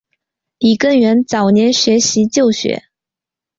李根源早年学习旧学。